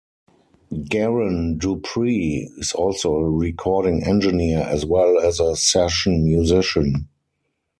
Garron DuPree is also a recording engineer as well as a session musician.